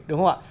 đúng không ạ